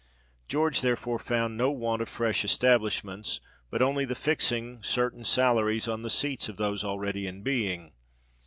George therefore found no want of fresh establishments, but only the fixing certain salaries on the seats of those already in being.